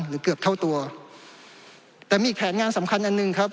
หรือเกือบเท่าตัวแต่มีแผนงานสำคัญอันหนึ่งครับ